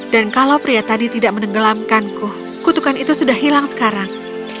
dan kalau pria tadi tidak menenggelamkanku kutukan itu sudah hilang sekarang